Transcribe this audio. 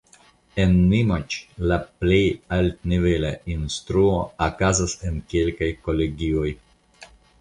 En Nimaĉ la plej altnivela instruo okazas en kelkaj kolegioj.